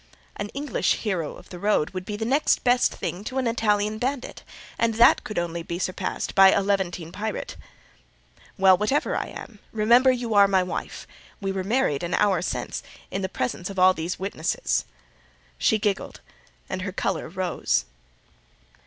"An English hero of the road would be the next best thing to an Italian bandit; and that could only be surpassed by a Levantine pirate." "Well, whatever I am, remember you are my wife; we were married an hour since, in the presence of all these witnesses." She giggled, and her colour rose.